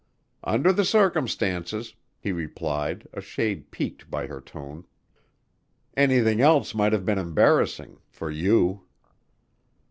"Under the circumstances," he replied, a shade piqued by her tone, "anything else might have been embarrassing for you."